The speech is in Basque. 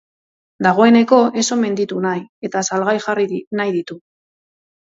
Dagoeneko ez omen ditu nahi, eta salgai jarri nahi ditu.